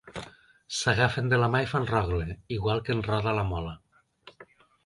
S’agafen de la mà i fan rogle, igual que en roda la mola.